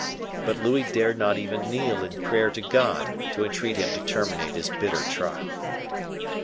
But Louis dared not even kneel in prayer to God to entreat him to terminate his bitter trial.